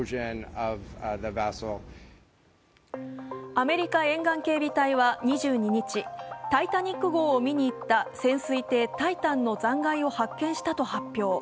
アメリカ沿岸警備隊は２２日、「タイタニック」号を見にいった潜水艇「タイタン」の残骸を発見したと発表。